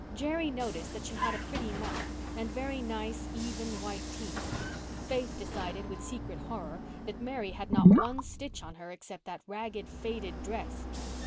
Jerry noticed that she had a pretty mouth and very nice, even, white teeth. Faith decided, with secret horror, that Mary had not one stitch on her except that ragged, faded dress.